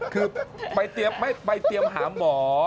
คือไปเตรียมหาหมอ